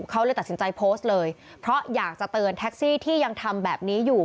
เขาเลยตัดสินใจโพสต์เลยเพราะอยากจะเตือนแท็กซี่ที่ยังทำแบบนี้อยู่